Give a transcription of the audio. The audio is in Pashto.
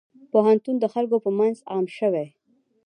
پوهنتون د خلکو په منځ عام شوی.